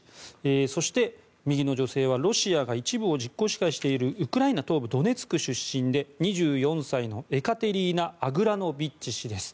そして、右の女性はロシアが一部を実効支配しているウクライナ東部ドネツク出身で２４歳の、エカテリーナ・アグラノビッチ氏です。